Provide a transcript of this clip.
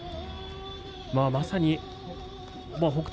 まさに北勝